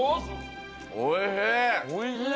おいしい！